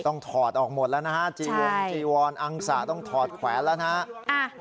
ต้องถอดออกหมดแล้วจีวรอังษะต้องถอดแขวนแล้ว